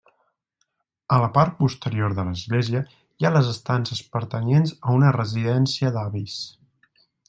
A la part posterior de l'església hi ha les estances pertanyents a una residència d'avis.